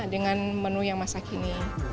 dengan menu yang masa kini